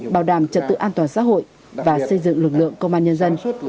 bảo đảm trật tự an toàn xã hội và xây dựng lực lượng công an nhân dân